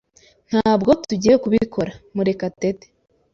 Ntabwo tugiye kubikora, Murekatete.